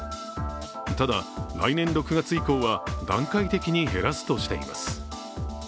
ただ来年６月以降は段階的に減らすとしています。